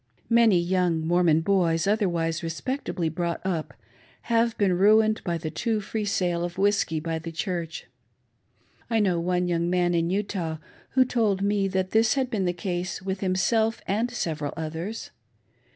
Many young Mormon boys, otherwise respectably brought up, have been ruined by the too free sale of whiskey by the Church. I know one young man, in Utah, who told me that this had been the case with himself and several others.